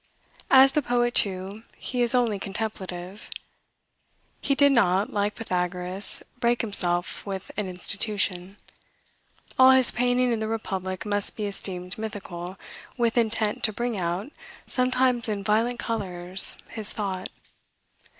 As the poet, too, he is only contemplative. He did not, like Pythagoras, break himself with an institution. All his painting in the Republic must be esteemed mythical, with intent to bring out, sometimes in violent colors, his thought.